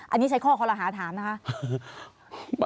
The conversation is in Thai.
อันนี้ใช้ข้อคอลหาถามนะคะ